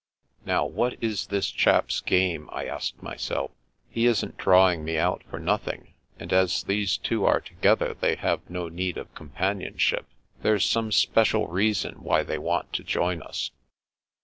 " Now, what is this chap's game ?" I asked my self. " He isn't drawing me out for nothing; and as these two are together they have no need of com panionship. There's some special reason why they want to join us."